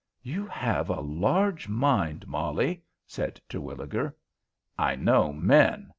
"You have a large mind, Molly," said Terwilliger. "I know men!"